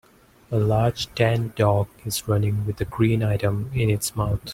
A large tan dog is running with a green item in its mouth